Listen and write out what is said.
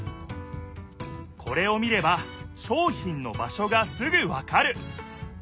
これを見れば商品の場所がすぐわかる！